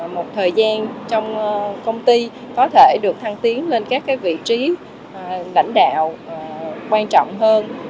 một thời gian trong công ty có thể được thăng tiến lên các vị trí lãnh đạo quan trọng hơn